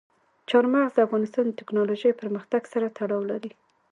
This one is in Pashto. چار مغز د افغانستان د تکنالوژۍ پرمختګ سره تړاو لري.